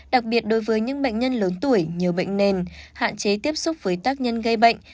đặc biệt đối với những bệnh nhân lớn tuổi nhiều bệnh nền hạn chế tiếp xúc với tác nhân gây bệnh